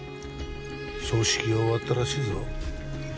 葬式が終わったらしいぞ。